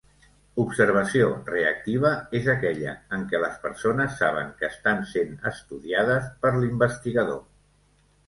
Observació reactiva és aquella en què les persones saben que estan sent estudiades per l'investigador.